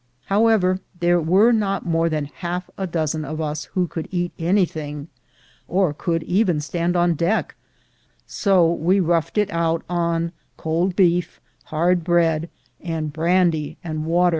However, there were not more than half a dozen of us who could eat any thing, or could even stand on deck; so we roughed it out on cold beef, hard bread, and brandy and water.